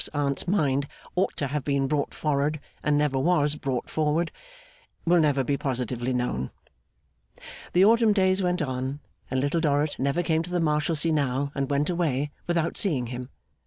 's Aunt's mind, ought to have been brought forward and never was brought forward, will never be positively known. The autumn days went on, and Little Dorrit never came to the Marshalsea now and went away without seeing him.